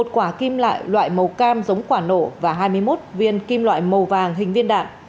một quả kim loại loại màu cam giống quả nổ và hai mươi một viên kim loại màu vàng hình viên đạn